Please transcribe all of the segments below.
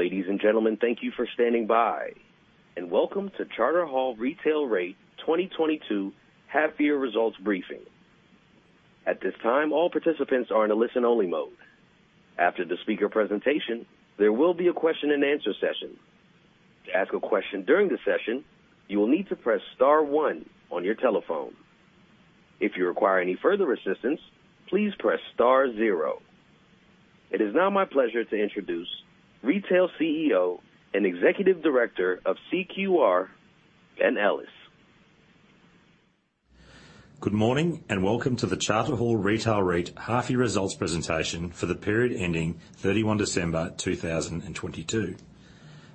Ladies and gentlemen, thank you for standing by, and welcome to Charter Hall Retail REIT 2022 half-year results briefing. At this time, all participants are in a listen-only mode. After the speaker presentation, there will be a question and answer session. To ask a question during the session, you will need to press star one on your telephone. If you require any further assistance, please press star zero. It is now my pleasure to introduce Retail CEO and Executive Director of CQR, Ben Ellis. Good morning, and welcome to the Charter Hall Retail REIT half-year results presentation for the period ending 31 December 2022.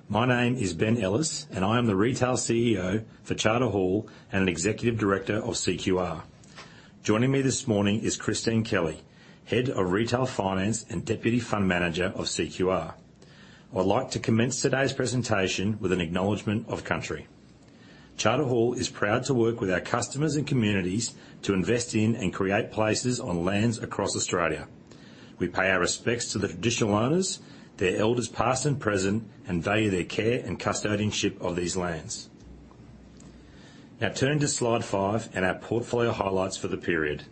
My name is Ben Ellis, and I am the Retail CEO for Charter Hall and an Executive Director of CQR. Joining me this morning is Christine Kelly, Head of Retail Finance and Deputy Fund Manager of CQR. I'd like to commence today's presentation with an acknowledgement of country. Charter Hall is proud to work with our customers and communities to invest in and create places on lands across Australia. We pay our respects to the traditional owners, their elders past and present, and value their care and custodianship of these lands. Now turn to slide five and our portfolio highlights for the period.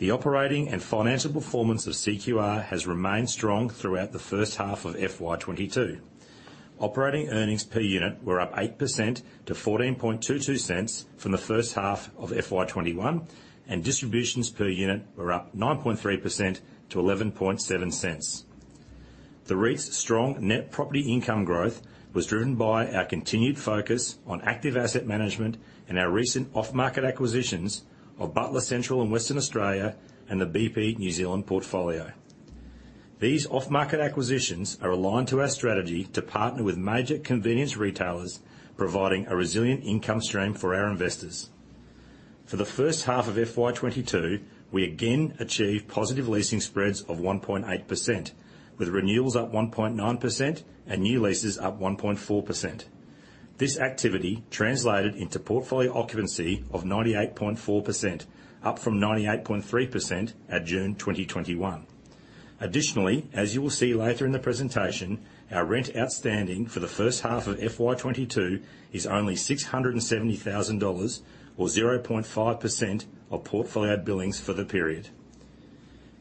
The operating and financial performance of CQR has remained strong throughout the first half of FY 2022. Operating earnings per unit were up 8% to 0.1422 from the first half of FY 2021, and distributions per unit were up 9.3% to 0.117. The REIT's strong net property income growth was driven by our continued focus on active asset management and our recent off-market acquisitions of Butler Central and Western Australia and the BP New Zealand portfolio. These off-market acquisitions are aligned to our strategy to partner with major convenience retailers, providing a resilient income stream for our investors. For the first half of FY 2022, we again achieved positive leasing spreads of 1.8%, with renewals up 1.9% and new leases up 1.4%. This activity translated into portfolio occupancy of 98.4%, up from 98.3% at June 2021. Additionally, as you will see later in the presentation, our rent outstanding for the first half of FY 2022 is only 670,000 dollars or 0.5% of portfolio billings for the period.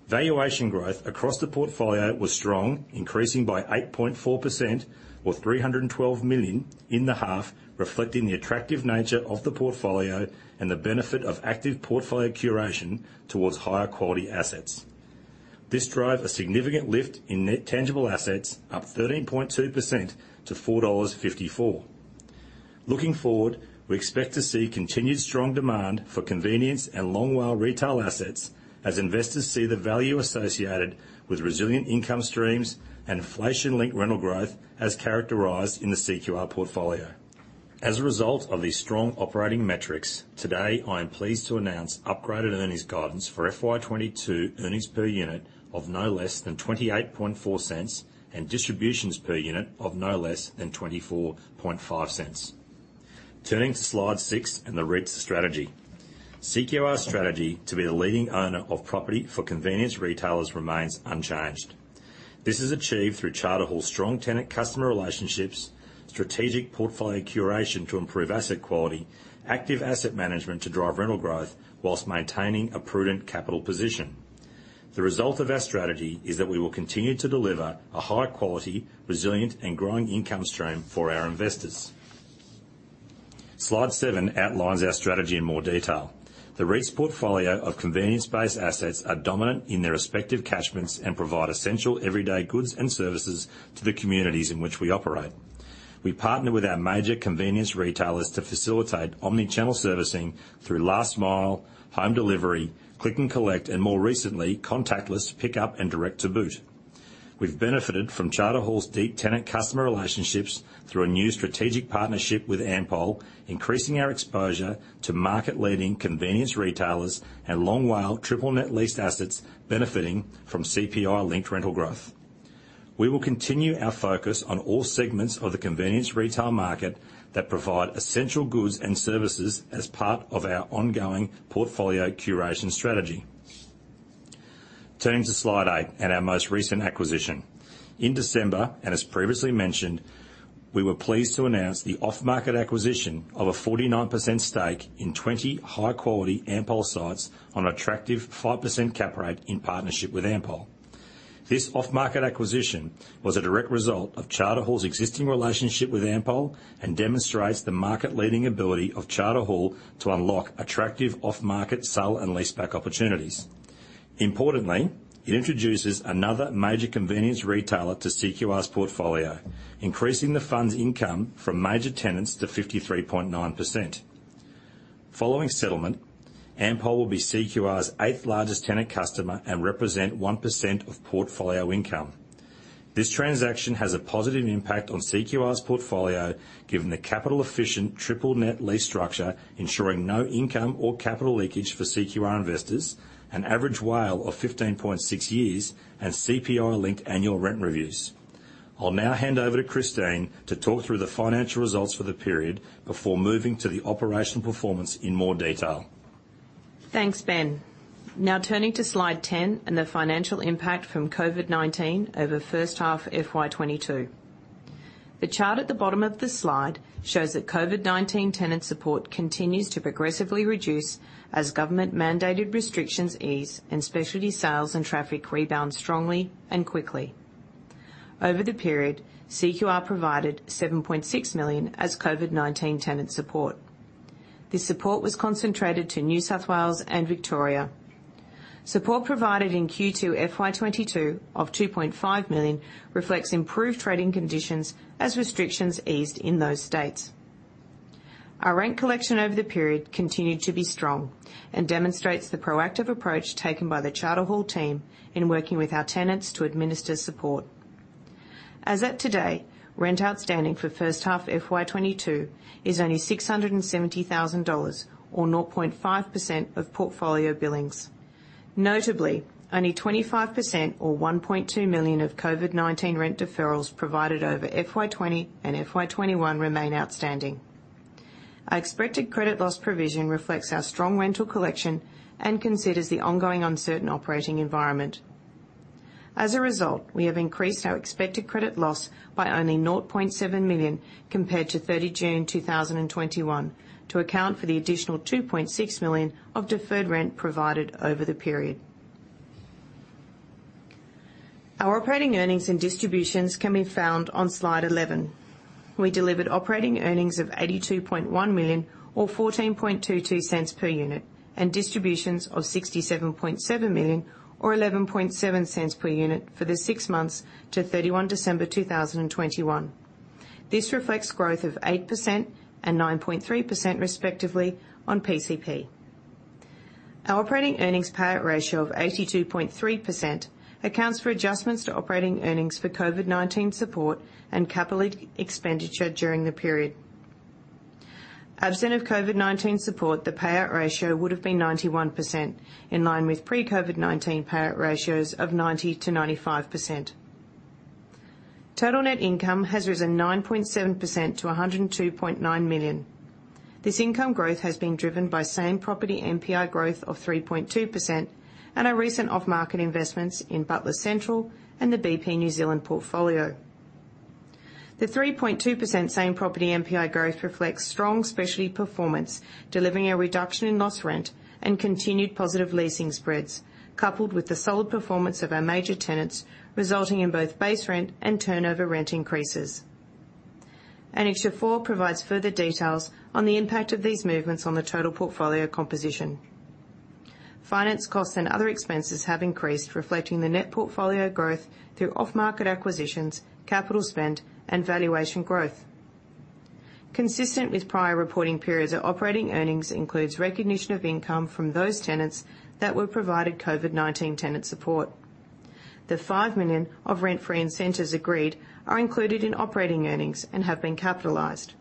Valuation growth across the portfolio was strong, increasing by 8.4% or 312 million in the half, reflecting the attractive nature of the portfolio and the benefit of active portfolio curation towards higher quality assets. This drove a significant lift in net tangible assets up 13.2% to 4.54 dollars. Looking forward, we expect to see continued strong demand for convenience and long WALE retail assets as investors see the value associated with resilient income streams and inflation-linked rental growth as characterized in the CQR portfolio. As a result of these strong operating metrics, today I am pleased to announce upgraded earnings guidance for FY 2022 earnings per unit of no less than 0.284 and distributions per unit of no less than 0.245. Turning to slide six and the REIT's strategy. CQR's strategy to be the leading owner of property for convenience retailers remains unchanged. This is achieved through Charter Hall's strong tenant customer relationships, strategic portfolio curation to improve asset quality, active asset management to drive rental growth while maintaining a prudent capital position. The result of our strategy is that we will continue to deliver a high quality, resilient, and growing income stream for our investors. Slide seven outlines our strategy in more detail. The REIT's portfolio of convenience-based assets are dominant in their respective catchments and provide essential everyday goods and services to the communities in which we operate. We partner with our major convenience retailers to facilitate omni-channel servicing through last mile home delivery, Click and Collect, and more recently, contactless pickup and direct to boot. We've benefited from Charter Hall's deep tenant customer relationships through a new strategic partnership with Ampol, increasing our exposure to market-leading convenience retailers and long WALE triple net leased assets benefiting from CPI-linked rental growth. We will continue our focus on all segments of the convenience retail market that provide essential goods and services as part of our ongoing portfolio curation strategy. Turning to slide eight and our most recent acquisition. In December, as previously mentioned, we were pleased to announce the off-market acquisition of a 49% stake in 20 high-quality Ampol sites on an attractive 5% cap rate in partnership with Ampol. This off-market acquisition was a direct result of Charter Hall's existing relationship with Ampol and demonstrates the market-leading ability of Charter Hall to unlock attractive off-market sell and leaseback opportunities. Importantly, it introduces another major convenience retailer to CQR's portfolio, increasing the fund's income from major tenants to 53.9%. Following settlement, Ampol will be CQR's eighth largest tenant customer and represent 1% of portfolio income. This transaction has a positive impact on CQR's portfolio given the capital efficient triple net lease structure, ensuring no income or capital leakage for CQR investors, an average WALE of 15.6 years, and CPI-linked annual rent reviews. I'll now hand over to Christine to talk through the financial results for the period before moving to the operational performance in more detail. Thanks, Ben. Now turning to slide 10 and the financial impact from COVID-19 over first half FY 2022. The chart at the bottom of the slide shows that COVID-19 tenant support continues to progressively reduce as government-mandated restrictions ease and specialty sales and traffic rebound strongly and quickly. Over the period, CQR provided 7.6 million as COVID-19 tenant support. This support was concentrated to New South Wales and Victoria. Support provided in Q2 FY 2022 of 2.5 million reflects improved trading conditions as restrictions eased in those states. Our rent collection over the period continued to be strong and demonstrates the proactive approach taken by the Charter Hall team in working with our tenants to administer support. As at today, rent outstanding for first half FY 2022 is only 670,000 dollars, or 0.5% of portfolio billings. Notably, only 25% or 1.2 million of COVID-19 rent deferrals provided over FY 2020 and FY 2021 remain outstanding. Our expected credit loss provision reflects our strong rental collection and considers the ongoing uncertain operating environment. As a result, we have increased our expected credit loss by only 0.7 million compared to 30 June 2021 to account for the additional 2.6 million of deferred rent provided over the period. Our operating earnings and distributions can be found on slide 11. We delivered operating earnings of 82.1 million or 0.1422 per unit, and distributions of 67.7 million or 0.117 per unit for the six months to 31 December 2021. This reflects growth of 8% and 9.3% respectively on PCP. Our operating earnings payout ratio of 82.3% accounts for adjustments to operating earnings for COVID-19 support and capital expenditure during the period. Absent of COVID-19 support, the payout ratio would have been 91%, in line with pre-COVID-19 payout ratios of 90%-95%. Total net income has risen 9.7% to 102.9 million. This income growth has been driven by same property NPI growth of 3.2% and our recent off-market investments in Butler Central and the BP New Zealand portfolio. The 3.2% same property NPI growth reflects strong specialty performance, delivering a reduction in lost rent and continued positive leasing spreads, coupled with the solid performance of our major tenants, resulting in both base rent and turnover rent increases. Annexure 4 provides further details on the impact of these movements on the total portfolio composition. Finance costs and other expenses have increased, reflecting the net portfolio growth through off-market acquisitions, capital spend, and valuation growth. Consistent with prior reporting periods, our operating earnings includes recognition of income from those tenants that were provided COVID-19 tenant support. The 5 million of rent-free incentives agreed are included in operating earnings and have been capitalized.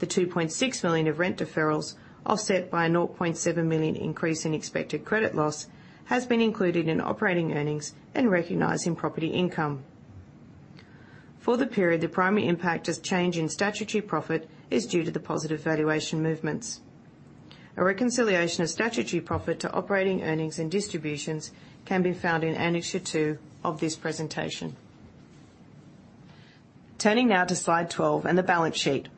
The 2.6 million of rent deferrals, offset by a 0.7 million increase in expected credit loss, has been included in operating earnings and recognized in property income. For the period, the primary impact as change in statutory profit is due to the positive valuation movements. A reconciliation of statutory profit to operating earnings and distributions can be found in annexure 2 of this presentation. Turning now to slide 12 and the balance sheet.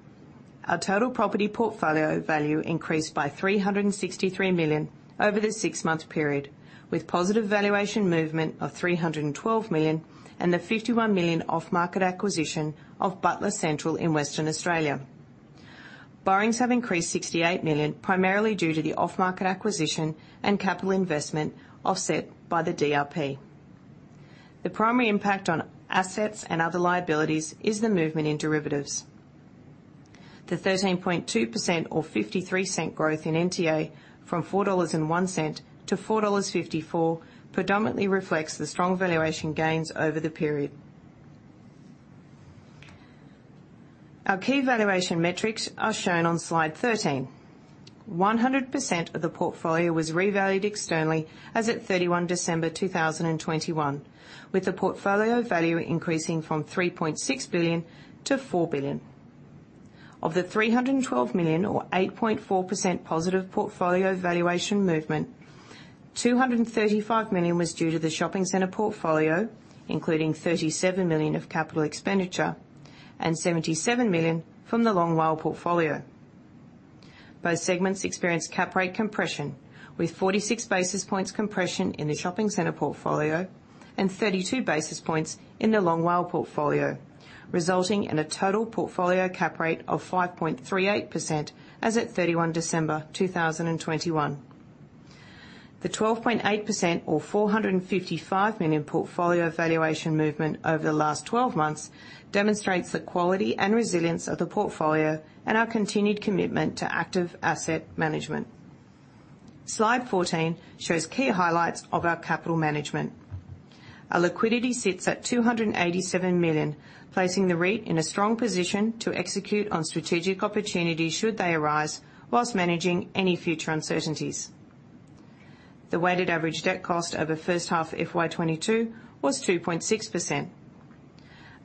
Our total property portfolio value increased by AUD 363 million over the six-month period, with positive valuation movement of AUD 312 million and the AUD 51 million off-market acquisition of Butler Central in Western Australia. Borrowings have increased 68 million, primarily due to the off-market acquisition and capital investment offset by the DRP. The primary impact on assets and other liabilities is the movement in derivatives. The 13.2% or 0.53 growth in NTA from 4.01-4.54 dollars predominantly reflects the strong valuation gains over the period. Our key valuation metrics are shown on slide 13. 100% of the portfolio was revalued externally as at 31 December 2021, with the portfolio value increasing from 3.6 billion-4 billion. Of the 312 million or 8.4% positive portfolio valuation movement, 235 million was due to the shopping center portfolio, including 37 million of capital expenditure and 77 million from the Long WALE portfolio. Both segments experienced cap rate compression, with 46 basis points compression in the shopping center portfolio and 32 basis points in the Long WALE portfolio, resulting in a total portfolio cap rate of 5.38% as at 31 December 2021. The 12.8% or 455 million portfolio valuation movement over the last twelve months demonstrates the quality and resilience of the portfolio and our continued commitment to active asset management. Slide 14 shows key highlights of our capital management. Our liquidity sits at 287 million, placing the REIT in a strong position to execute on strategic opportunities should they arise while managing any future uncertainties. The weighted average debt cost over first half FY 2022 was 2.6%.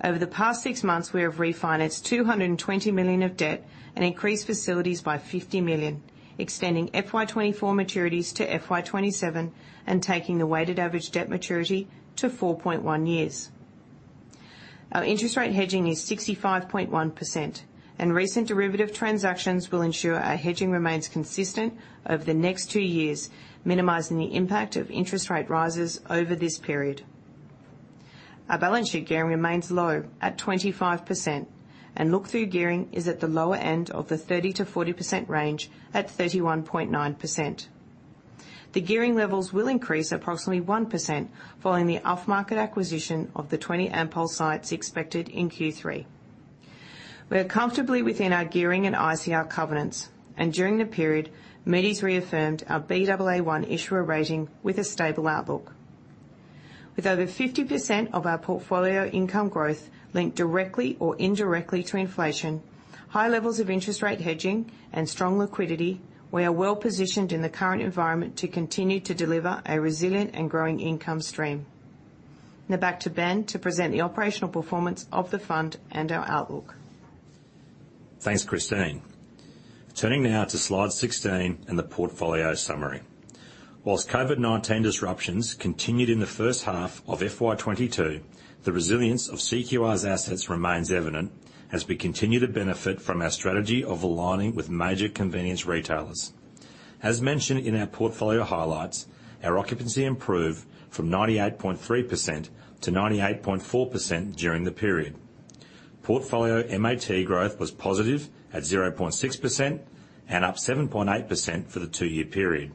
Over the past six months, we have refinanced 220 million of debt and increased facilities by 50 million, extending FY 2024 maturities to FY 2027 and taking the weighted average debt maturity to 4.1 years. Our interest rate hedging is 65.1%, and recent derivative transactions will ensure our hedging remains consistent over the next two years, minimizing the impact of interest rate rises over this period. Our balance sheet gearing remains low at 25%, and look-through gearing is at the lower end of the 30%-40% range at 31.9%. The gearing levels will increase approximately 1% following the off-market acquisition of the 20 Ampol sites expected in Q3. We are comfortably within our gearing and ICR covenants, and during the period, Moody's reaffirmed our Baa1 issuer rating with a stable outlook. With over 50% of our portfolio income growth linked directly or indirectly to inflation, high levels of interest rate hedging, and strong liquidity, we are well-positioned in the current environment to continue to deliver a resilient and growing income stream. Now back to Ben to present the operational performance of the fund and our outlook. Thanks, Christine. Turning now to slide 16 and the portfolio summary. Whilst COVID-19 disruptions continued in the first half of FY 2022, the resilience of CQR's assets remains evident as we continue to benefit from our strategy of aligning with major convenience retailers. As mentioned in our portfolio highlights, our occupancy improved from 98.3%-98.4% during the period. Portfolio MAT growth was positive at 0.6% and up 7.8% for the two-year period.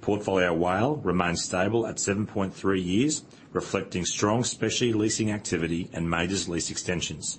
Portfolio WALE remains stable at 7.3 years, reflecting strong specialty leasing activity and majors lease extensions.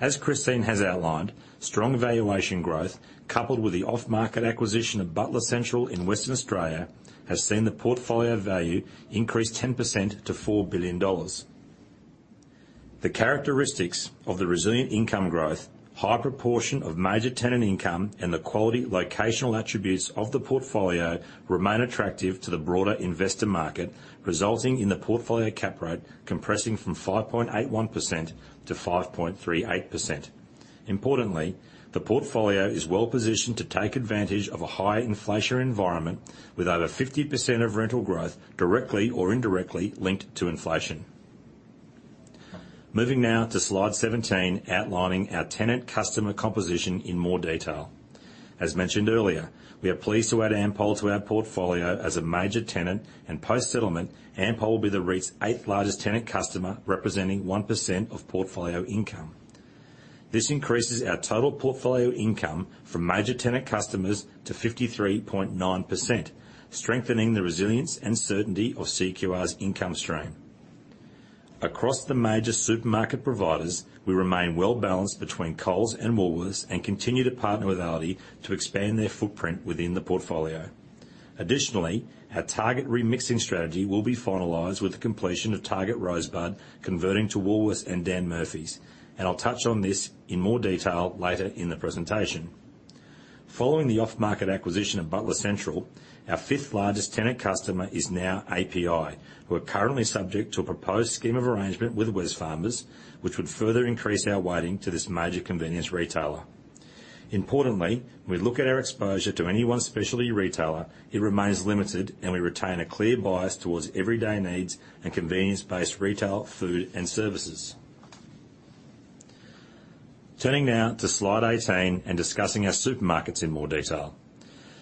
As Christine has outlined, strong valuation growth, coupled with the off-market acquisition of Butler Central in Western Australia, has seen the portfolio value increase 10% to AUD 4 billion. The characteristics of the resilient income growth, high proportion of major tenant income, and the quality locational attributes of the portfolio remain attractive to the broader investor market, resulting in the portfolio cap rate compressing from 5.81%-5.38%. Importantly, the portfolio is well-positioned to take advantage of a high inflationary environment with over 50% of rental growth directly or indirectly linked to inflation. Moving now to slide 17, outlining our tenant customer composition in more detail. As mentioned earlier, we are pleased to add Ampol to our portfolio as a major tenant, and post-settlement, Ampol will be the REIT's eighth-largest tenant customer, representing 1% of portfolio income. This increases our total portfolio income from major tenant customers to 53.9%, strengthening the resilience and certainty of CQR's income stream. Across the major supermarket providers, we remain well-balanced between Coles and Woolworths and continue to partner with Aldi to expand their footprint within the portfolio. Additionally, our Target remixing strategy will be finalized with the completion of Target Rosebud converting to Woolworths and Dan Murphy's, and I'll touch on this in more detail later in the presentation. Following the off-market acquisition of Butler Central, our fifth-largest tenant customer is now API. We're currently subject to a proposed scheme of arrangement with Wesfarmers, which would further increase our weighting to this major convenience retailer. Importantly, we look at our exposure to any one specialty retailer, it remains limited, and we retain a clear bias towards everyday needs and convenience-based retail, food, and services. Turning now to slide 18 and discussing our supermarkets in more detail.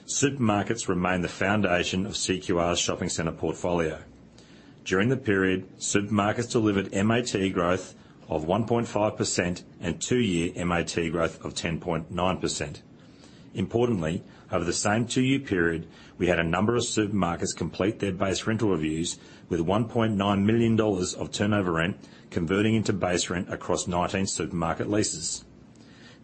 Supermarkets remain the foundation of CQR's shopping center portfolio. During the period, supermarkets delivered MAT growth of 1.5% and two-year MAT growth of 10.9%. Importantly, over the same two-year period, we had a number of supermarkets complete their base rental reviews with 1.9 million dollars of turnover rent converting into base rent across 19 supermarket leases.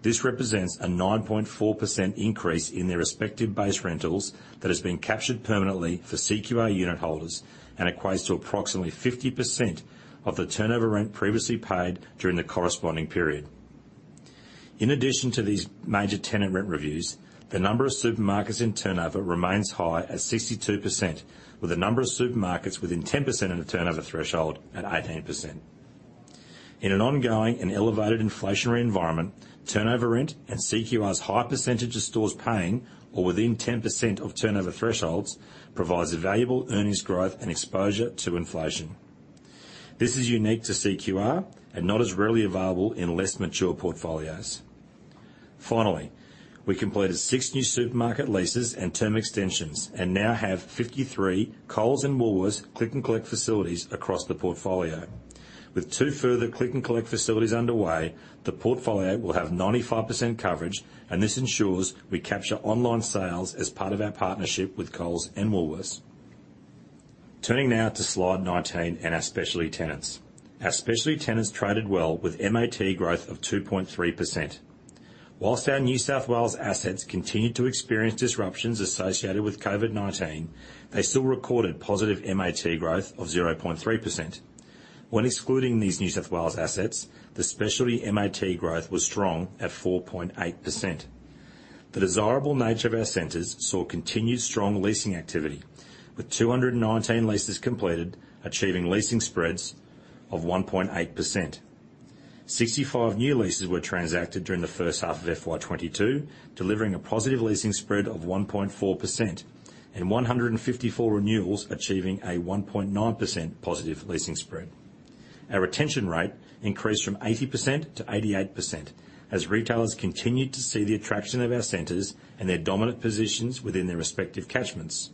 This represents a 9.4% increase in their respective base rentals that has been captured permanently for CQR unit holders and equates to approximately 50% of the turnover rent previously paid during the corresponding period. In addition to these major tenant rent reviews, the number of supermarkets in turnover remains high at 62%, with the number of supermarkets within 10% of the turnover threshold at 18%. In an ongoing and elevated inflationary environment, turnover rent and CQR's high percentage of stores paying or within 10% of turnover thresholds provides valuable earnings growth and exposure to inflation. This is unique to CQR and not as readily available in less mature portfolios. Finally, we completed six new supermarket leases and term extensions and now have 53 Coles and Woolworths Click and Collect facilities across the portfolio. With two further Click and Collect facilities underway, the portfolio will have 95% coverage, and this ensures we capture online sales as part of our partnership with Coles and Woolworths. Turning now to slide 19 and our specialty tenants. Our specialty tenants traded well with MAT growth of 2.3%. While our New South Wales assets continued to experience disruptions associated with COVID-19, they still recorded positive MAT growth of 0.3%. When excluding these New South Wales assets, the specialty MAT growth was strong at 4.8%. The desirable nature of our centers saw continued strong leasing activity with 219 leases completed, achieving leasing spreads of 1.8%. Sixty-five new leases were transacted during the first half of FY 2022, delivering a positive leasing spread of 1.4% and 154 renewals achieving a 1.9% positive leasing spread. Our retention rate increased from 80%-88% as retailers continued to see the attraction of our centers and their dominant positions within their respective catchments.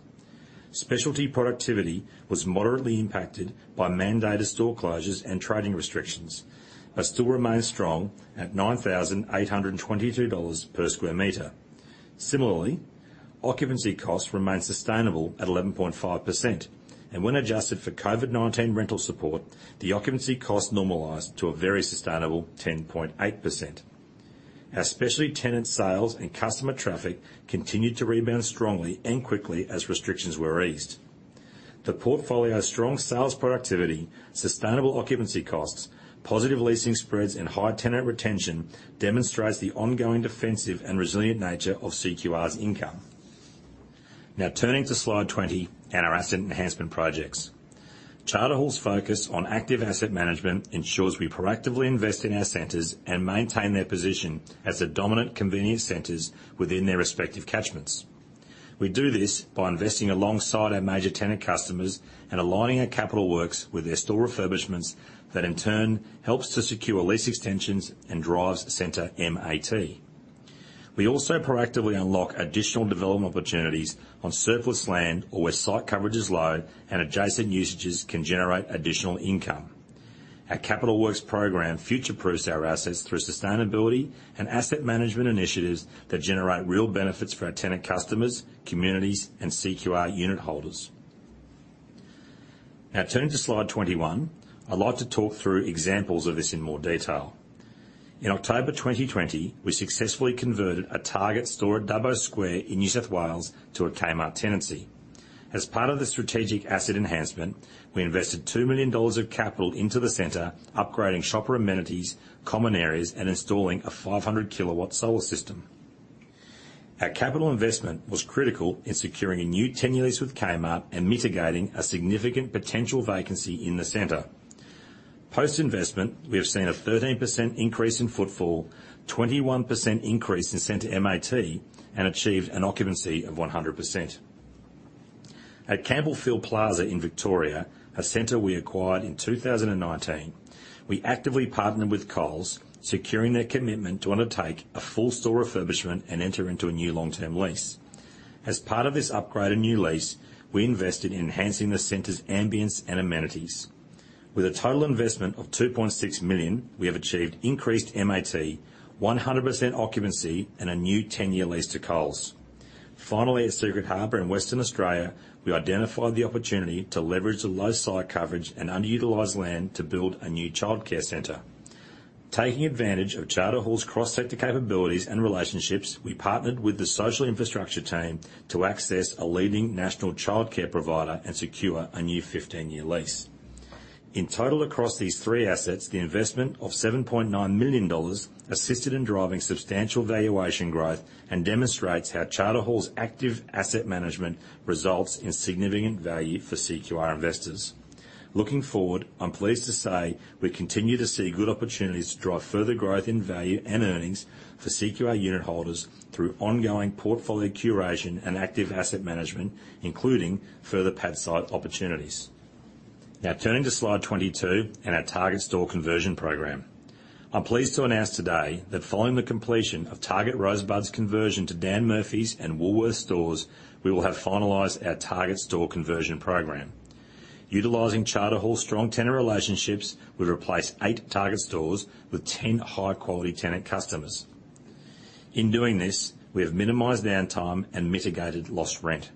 Specialty productivity was moderately impacted by mandated store closures and trading restrictions, but still remains strong at AUD 9,822 per sqm. Similarly, occupancy costs remain sustainable at 11.5%, and when adjusted for COVID-19 rental support, the occupancy cost normalized to a very sustainable 10.8%. Our specialty tenant sales and customer traffic continued to rebound strongly and quickly as restrictions were eased. The portfolio's strong sales productivity, sustainable occupancy costs, positive leasing spreads, and high tenant retention demonstrates the ongoing defensive and resilient nature of CQR's income. Now turning to slide 20 and our asset enhancement projects. Charter Hall's focus on active asset management ensures we proactively invest in our centers and maintain their position as the dominant convenience centers within their respective catchments. We do this by investing alongside our major tenant customers and aligning our capital works with their store refurbishments that in turn helps to secure lease extensions and drives center MAT. We also proactively unlock additional development opportunities on surplus land or where site coverage is low and adjacent usages can generate additional income. Our capital works program future-proofs our assets through sustainability and asset management initiatives that generate real benefits for our tenant customers, communities, and CQR unit holders. Now turning to slide 21, I'd like to talk through examples of this in more detail. In October 2020, we successfully converted a Target store at Dubbo Square in New South Wales to a Kmart tenancy. As part of the strategic asset enhancement, we invested AUD 2 million of capital into the center, upgrading shopper amenities, common areas, and installing a 500 kW solar system. Our capital investment was critical in securing a new 10-year lease with Kmart and mitigating a significant potential vacancy in the center. Post-investment, we have seen a 13% increase in footfall, 21% increase in center MAT, and achieved an occupancy of 100%. At Campbellfield Plaza in Victoria, a center we acquired in 2019, we actively partnered with Coles, securing their commitment to undertake a full store refurbishment and enter into a new long-term lease. As part of this upgraded new lease, we invested in enhancing the center's ambience and amenities. With a total investment of 2.6 million, we have achieved increased MAT, 100% occupancy, and a new 10-year lease to Coles. Finally, at Secret Harbour in Western Australia, we identified the opportunity to leverage the low site coverage and underutilized land to build a new childcare center. Taking advantage of Charter Hall's cross-sector capabilities and relationships, we partnered with the social infrastructure team to access a leading national childcare provider and secure a new 15-year lease. In total, across these three assets, the investment of 7.9 million dollars assisted in driving substantial valuation growth and demonstrates how Charter Hall's active asset management results in significant value for CQR investors. Looking forward, I'm pleased to say we continue to see good opportunities to drive further growth in value and earnings for CQR unit holders through ongoing portfolio curation and active asset management, including further pad site opportunities. Now turning to slide 22 and our Target store conversion program. I'm pleased to announce today that following the completion of Target Rosebud's conversion to Dan Murphy's and Woolworths stores, we will have finalized our Target store conversion program. Utilizing Charter Hall's strong tenant relationships, we've replaced eight Target stores with 10 high-quality tenant customers. In doing this, we have minimized downtime and mitigated lost rent.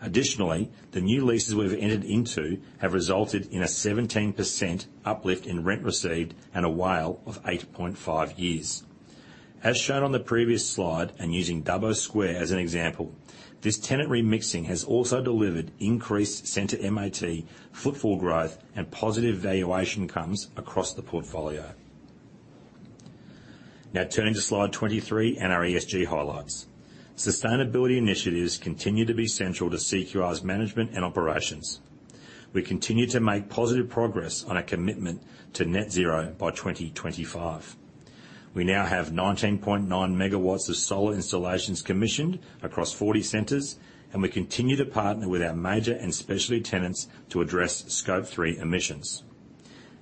Additionally, the new leases we've entered into have resulted in a 17% uplift in rent received and a WALE of 8.5 years. As shown on the previous slide, and using Dubbo Square as an example, this tenant remixing has also delivered increased center MAT, footfall growth, and positive valuation outcomes across the portfolio. Now turning to slide 23 and our ESG highlights. Sustainability initiatives continue to be central to CQR's management and operations. We continue to make positive progress on our commitment to net zero by 2025. We now have 19.9 MW of solar installations commissioned across 40 centers, and we continue to partner with our major and specialty tenants to address Scope 3 emissions.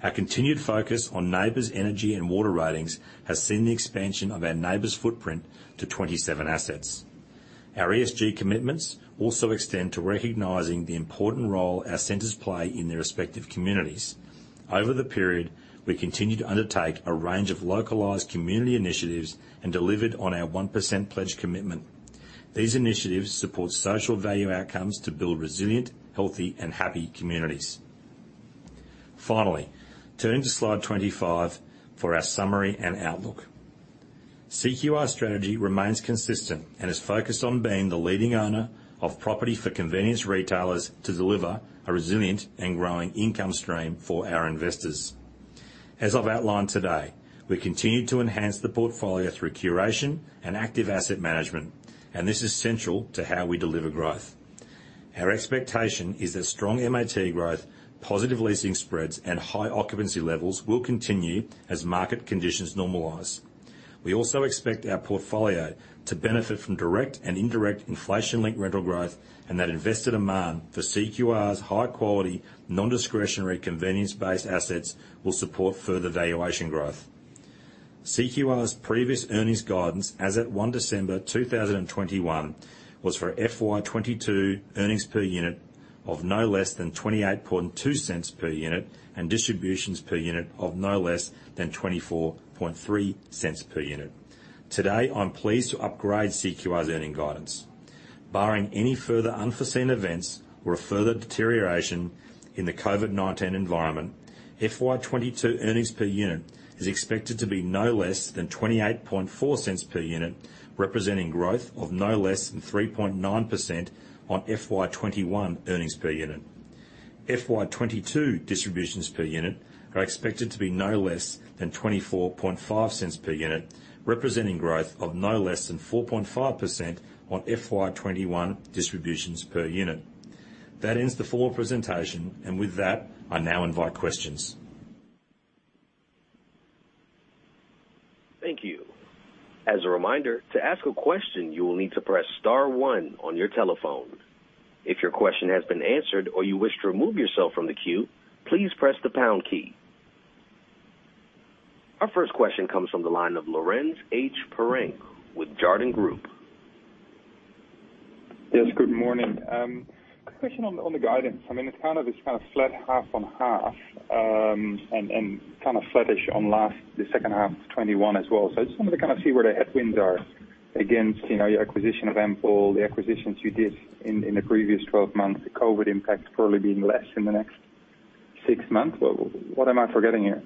Our continued focus on NABERS energy and water ratings has seen the expansion of our NABERS footprint to 27 assets. Our ESG commitments also extend to recognizing the important role our centers play in their respective communities. Over the period, we continued to undertake a range of localized community initiatives and delivered on our Pledge 1% commitment. These initiatives support social value outcomes to build resilient, healthy, and happy communities. Finally, turning to slide 25 for our summary and outlook. CQR's strategy remains consistent and is focused on being the leading owner of property for convenience retailers to deliver a resilient and growing income stream for our investors. As I've outlined today, we continue to enhance the portfolio through curation and active asset management, and this is central to how we deliver growth. Our expectation is that strong MAT growth, positive leasing spreads, and high occupancy levels will continue as market conditions normalize. We also expect our portfolio to benefit from direct and indirect inflation-linked rental growth, and that investor demand for CQR's high quality, non-discretionary, convenience-based assets will support further valuation growth. CQR's previous earnings guidance as at 1 December 2021 was for FY 2022 earnings per unit of no less than 0.282 per unit and distributions per unit of no less than 0.243 per unit. Today, I'm pleased to upgrade CQR's earnings guidance. Barring any further unforeseen events or a further deterioration in the COVID-19 environment, FY 2022 earnings per unit is expected to be no less than 0.284 per unit, representing growth of no less than 3.9% on FY 2021 earnings per unit. FY 2022 distributions per unit are expected to be no less than 0.245 per unit, representing growth of no less than 4.5% on FY 2021 distributions per unit. That ends the forward presentation, and with that, I now invite questions. Thank you. As a reminder, to ask a question, you will need to press star one on your telephone. If your question has been answered or you wish to remove yourself from the queue, please press the pound key. Our first question comes from the line of Lourens H. Pirenc with Jarden Group. Yes, good morning. A question on the guidance. I mean, it's kind of flat half on half, and kind of flattish on the second half of 2021 as well. I just wanted to kind of see where the headwinds are against, you know, your acquisition of Ampol, the acquisitions you did in the previous 12 months, the COVID impact probably being less in the next six months. What am I forgetting here?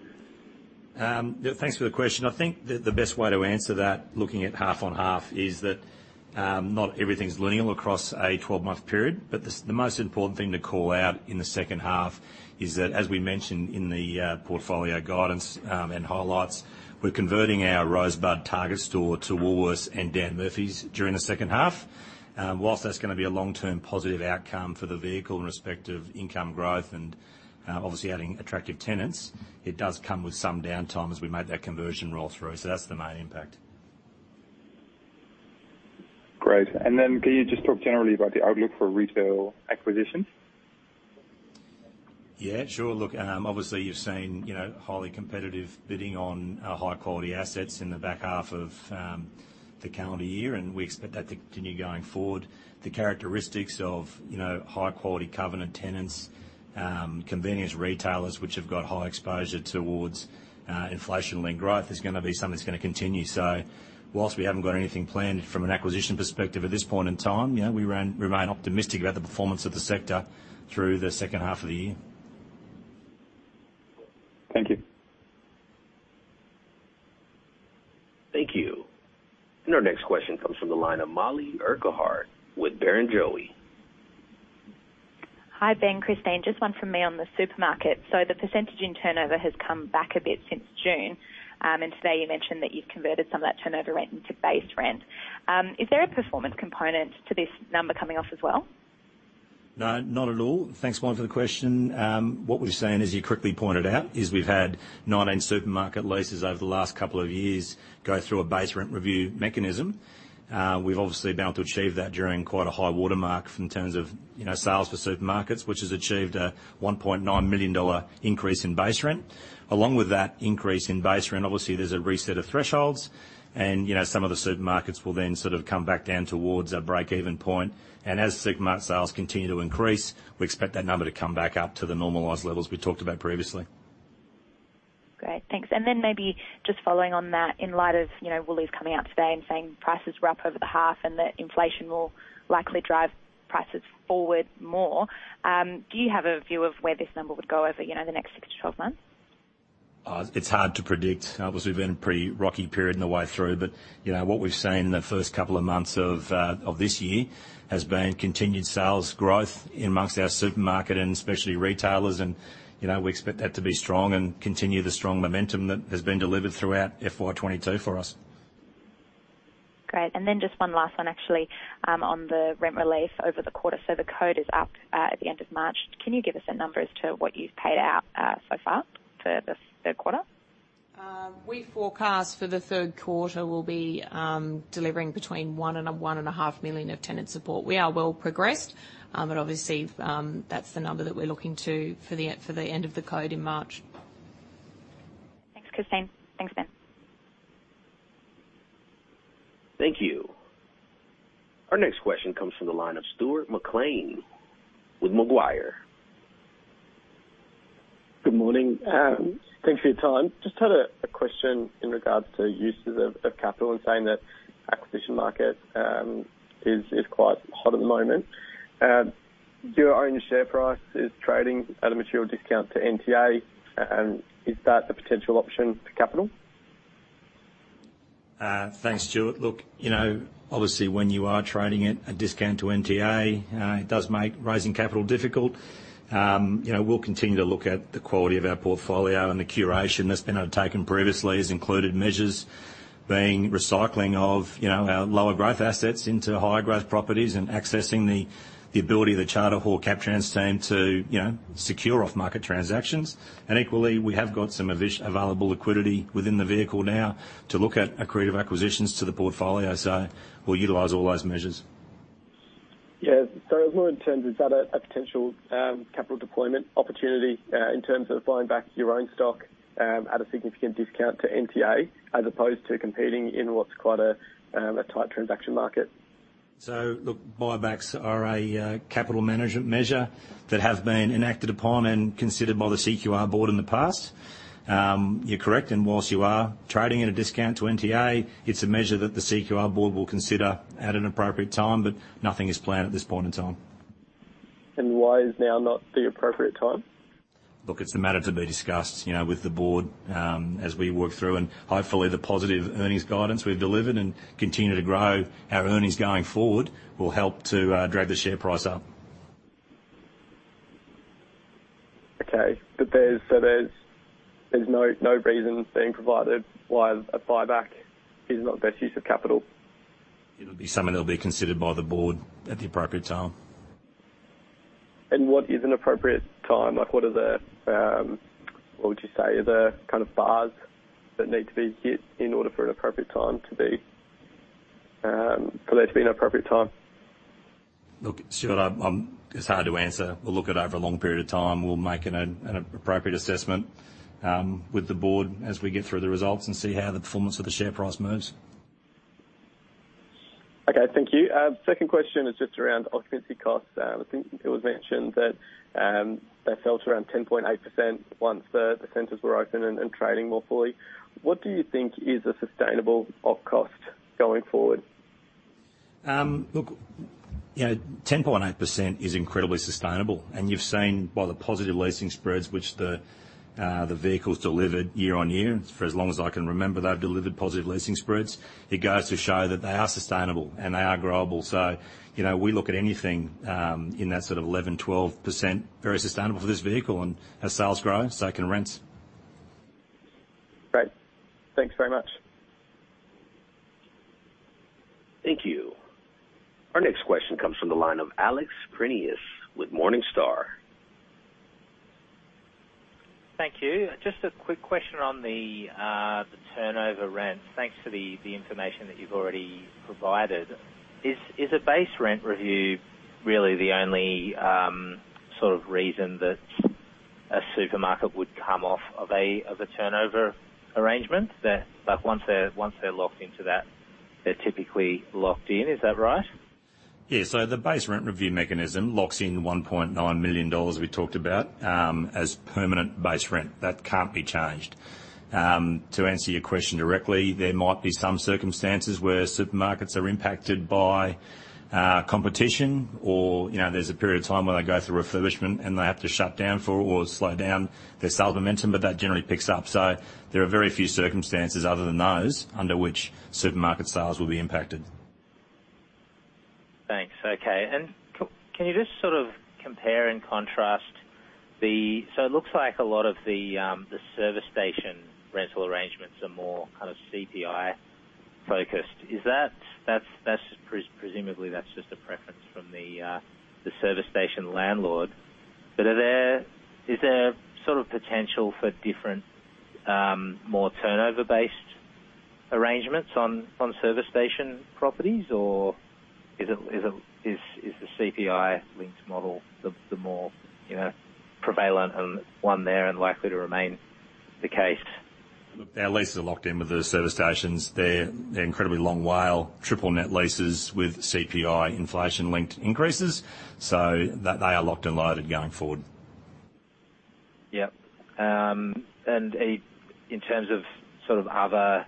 Yeah, thanks for the question. I think the best way to answer that, looking at half on half is that not everything's linear across a twelve-month period, but the most important thing to call out in the second half is that, as we mentioned in the portfolio guidance and highlights, we're converting our Rosebud Target store to Woolworths and Dan Murphy's during the second half. While that's gonna be a long-term positive outcome for the vehicle in respect of income growth and obviously adding attractive tenants, it does come with some downtime as we make that conversion roll through. That's the main impact. Great. Can you just talk generally about the outlook for retail acquisitions? Yeah, sure. Look, obviously you've seen, you know, highly competitive bidding on our high quality assets in the back half of the calendar year, and we expect that to continue going forward. The characteristics of, you know, high quality covenant tenants, convenience retailers, which have got high exposure towards inflation-linked growth, is gonna be something that's gonna continue. Whilst we haven't got anything planned from an acquisition perspective at this point in time, you know, we remain optimistic about the performance of the sector through the second half of the year. Thank you. Thank you. Our next question comes from the line of Mollie Urquhart with Barrenjoey. Hi, Ben, Christine. Just one from me on the supermarket. The percentage in turnover has come back a bit since June, and today you mentioned that you've converted some of that turnover rent into base rent. Is there a performance component to this number coming off as well? No, not at all. Thanks, Mollie, for the question. What we've seen, as you quickly pointed out, is we've had 19 supermarket leases over the last couple of years go through a base rent review mechanism. We've obviously been able to achieve that during quite a high water mark in terms of, you know, sales for supermarkets, which has achieved an 1.9 million dollar increase in base rent. Along with that increase in base rent, obviously there's a reset of thresholds. You know, some of the supermarkets will then sort of come back down towards a break-even point. As supermarket sales continue to increase, we expect that number to come back up to the normalized levels we talked about previously. Great. Thanks. Maybe just following on that, in light of, you know, Woolies coming out today and saying prices were up over the half and that inflation will likely drive prices forward more, do you have a view of where this number would go over, you know, the next 6-12 months? It's hard to predict. Obviously we've been in a pretty rocky period all the way through, but, you know, what we've seen in the first couple of months of this year has been continued sales growth among our supermarkets and essential retailers. You know, we expect that to be strong and continue the strong momentum that has been delivered throughout FY 2022 for us. Great. Then just one last one actually, on the rent relief over the quarter. The total is up at the end of March. Can you give us a number as to what you've paid out so far for the third quarter? We forecast for the third quarter we'll be delivering between 1 million and 1.5 million of tenant support. We are well progressed, but obviously, that's the number that we're looking to for the end of the quarter in March. Thanks, Christine. Thanks, Ben. Thank you. Our next question comes from the line of Stuart McLean with Macquarie. Good morning. Thanks for your time. Just had a question in regards to uses of capital and saying that acquisition market is quite hot at the moment. Your own share price is trading at a material discount to NTA. Is that a potential option for capital? Thanks, Stuart. Look, you know, obviously when you are trading at a discount to NTA, it does make raising capital difficult. You know, we'll continue to look at the quality of our portfolio and the curation that's been undertaken previously has included measures being recycling of, you know, our lower growth assets into higher growth properties and accessing the ability of the Charter Hall Capital Transactions team to, you know, secure off-market transactions. Equally, we have got some available liquidity within the vehicle now to look at accretive acquisitions to the portfolio. We'll utilize all those measures. Yeah. Is that more in terms of a potential capital deployment opportunity in terms of buying back your own stock at a significant discount to NTA as opposed to competing in what's quite a tight transaction market? Look, buybacks are a capital management measure that have been enacted upon and considered by the CQR board in the past. You're correct. While you are trading at a discount to NTA, it's a measure that the CQR board will consider at an appropriate time, but nothing is planned at this point in time. Why is now not the appropriate time? Look, it's a matter to be discussed, you know, with the board, as we work through and hopefully the positive earnings guidance we've delivered and continue to grow our earnings going forward will help to drive the share price up. There's no reason being provided why a buyback is not best use of capital. It'll be something that'll be considered by the board at the appropriate time. What is an appropriate time? Like, what would you say are the kind of bars that need to be hit in order for there to be an appropriate time? Look, Stuart, it's hard to answer. We'll look at it over a long period of time. We'll make an appropriate assessment with the board as we get through the results and see how the performance of the share price moves. Okay, thank you. Second question is just around occupancy costs. I think it was mentioned that they fell to around 10.8% once the centers were open and trading more fully. What do you think is a sustainable op cost going forward? Look, you know, 10.8% is incredibly sustainable, and you've seen by the positive leasing spreads, which they've delivered year-on-year. For as long as I can remember, they've delivered positive leasing spreads. It goes to show that they are sustainable and they are growable. You know, we look at anything in that sort of 11%-12% very sustainable for this vehicle and as sales grow, so can rents. Great. Thank you very much. Thank you. Our next question comes from the line of Alex Prineas with Morningstar. Thank you. Just a quick question on the turnover rents. Thanks for the information that you've already provided. Is a base rent review really the only sort of reason that a supermarket would come off of a turnover arrangement? Like once they're locked into that, they're typically locked in. Is that right? Yeah. The base rent review mechanism locks in 1.9 million dollars we talked about as permanent base rent. That can't be changed. To answer your question directly, there might be some circumstances where supermarkets are impacted by competition or, you know, there's a period of time where they go through refurbishment and they have to shut down for or slow down their sale momentum, but that generally picks up. There are very few circumstances other than those, under which supermarket sales will be impacted. Thanks. Okay. Can you just sort of compare and contrast the service station rental arrangements? It looks like a lot of the service station rental arrangements are more kind of CPI-focused. Is that presumably just a preference from the service station landlord? Is there sort of potential for different, more turnover-based arrangements on service station properties? Is it the CPI-linked model the more prevalent one there and likely to remain the case? Look, our leases are locked in with the service stations. They're incredibly long WALE triple net leases with CPI inflation-linked increases, so they are locked and loaded going forward. Yep. In terms of sort of other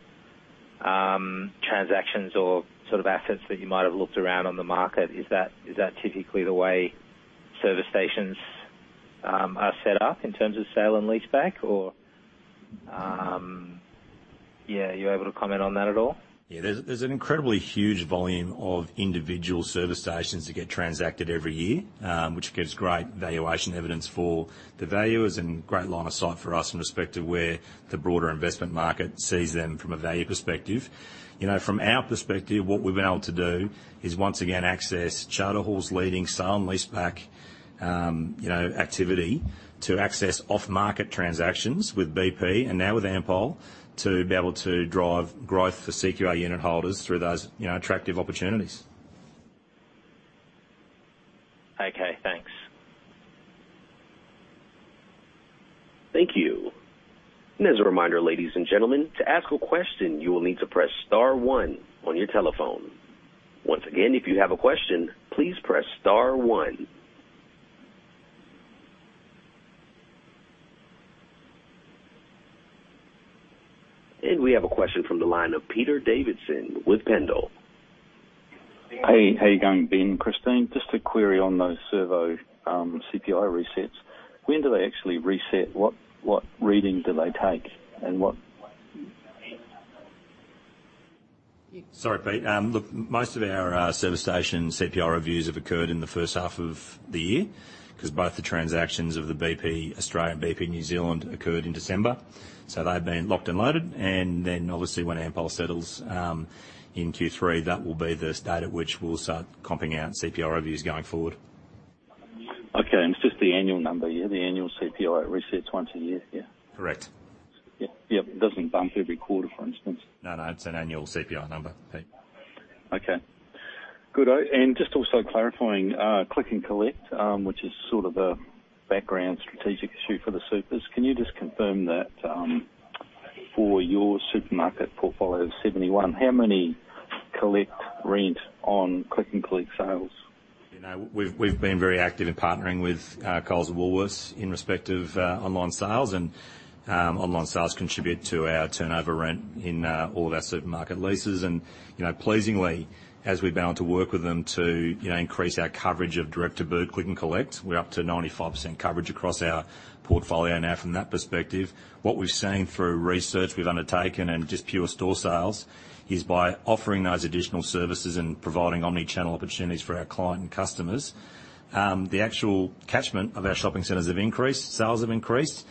transactions or sort of assets that you might have looked around on the market, is that typically the way service stations are set up in terms of sale and leaseback? Or, yeah, are you able to comment on that at all? Yeah. There's an incredibly huge volume of individual service stations that get transacted every year, which gives great valuation evidence for the valuers and great line of sight for us in respect to where the broader investment market sees them from a value perspective. You know, from our perspective, what we've been able to do is once again access Charter Hall's leading sale and leaseback, you know, activity to access off-market transactions with BP and now with Ampol to be able to drive growth for CQR unit holders through those, you know, attractive opportunities. Okay, thanks. Thank you. As a reminder, ladies and gentlemen, to ask a question, you will need to press star one on your telephone. Once again, if you have a question, please press star one. We have a question from the line of Peter Davidson with Pendal. Hey, how you going Ben and Christine? Just a query on those servo CPI resets. When do they actually reset? What reading do they take? And what- Sorry, Pete. Look, most of our service station CPI reviews have occurred in the first half of the year, because both the transactions of the BP Australia and BP New Zealand occurred in December, so they've been locked and loaded. Obviously, when Ampol settles in Q3, that will be the start at which we'll start comping out CPI reviews going forward. Okay. It's just the annual number, yeah? The annual CPI resets once a year, yeah? Correct. Yeah. Yep. It doesn't bump every quarter, for instance. No, no, it's an annual CPI number, Pete. Okay. Good. Just also clarifying, Click and Collect, which is sort of a background strategic issue for the supers. Can you just confirm that, for your supermarket portfolio of 71, how many collect rent on Click and Collect sales? You know, we've been very active in partnering with Coles and Woolworths in respect of online sales. Online sales contribute to our turnover rent in all of our supermarket leases. You know, pleasingly, as we've been able to work with them to increase our coverage of direct-to-boot Click and Collect, we're up to 95% coverage across our portfolio now from that perspective. What we've seen through research we've undertaken and just pure store sales is by offering those additional services and providing omni-channel opportunities for our client and customers, the actual catchment of our shopping centers have increased, sales have increased,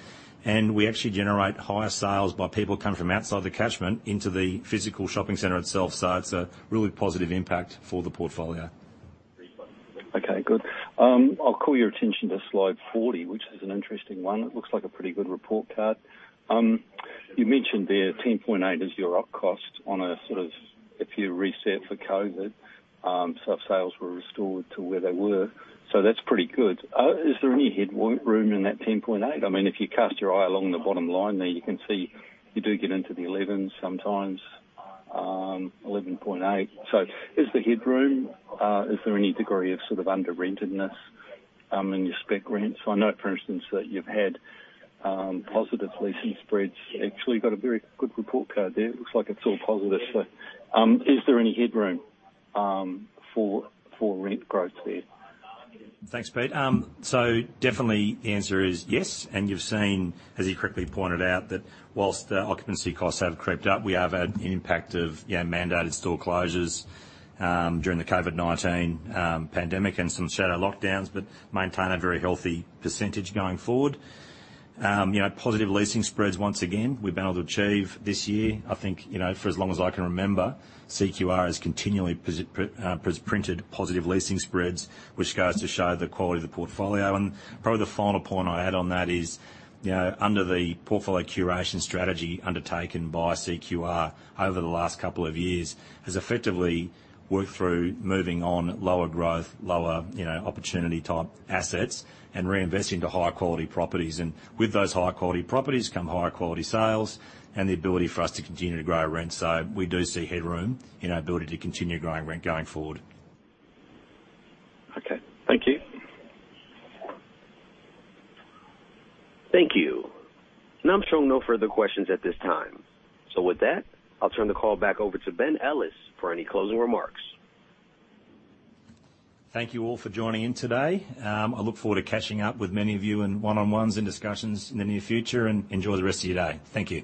and we actually generate higher sales by people coming from outside the catchment into the physical shopping center itself. It's a really positive impact for the portfolio. Okay, good. I'll call your attention to slide 40, which is an interesting one. It looks like a pretty good report card. You mentioned there 10.8% is your op cost on a sort of, if you reset for COVID, so if sales were restored to where they were, so that's pretty good. Is there any headroom in that 10.8%? I mean, if you cast your eye along the bottom line there, you can see you do get into the 11% sometimes, 11.8%. Is there headroom? Is there any degree of sort of under-rentedness, in your spec rents? I know, for instance, that you've had positive leasing spreads. Actually, you've got a very good report card there. It looks like it's all positive. Is there any headroom for rent growth there? Thanks, Pete. So definitely the answer is yes. You've seen, as you correctly pointed out, that while the occupancy costs have crept up, we have had an impact of, you know, mandated store closures during the COVID-19 pandemic and some shadow lockdowns, but we maintain a very healthy percentage going forward. You know, positive leasing spreads, once again, we've been able to achieve this year. I think, you know, for as long as I can remember, CQR has continually posted positive leasing spreads, which goes to show the quality of the portfolio. Probably the final point I'd add on that is, you know, under the portfolio curation strategy undertaken by CQR over the last couple of years has effectively worked through moving on lower growth, you know, opportunity type assets and reinvest into higher quality properties. With those higher quality properties come higher quality sales and the ability for us to continue to grow our rent. We do see headroom in our ability to continue growing rent going forward. Okay. Thank you. Thank you. I'm showing no further questions at this time. With that, I'll turn the call back over to Ben Ellis for any closing remarks. Thank you all for joining in today. I look forward to catching up with many of you in one-on-ones and discussions in the near future. Enjoy the rest of your day. Thank you.